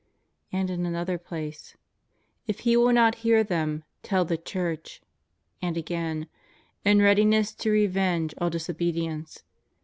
^ And in another place, // he will not hear them, tell the Church.'^ And again, In readiness to revenge all disobedience.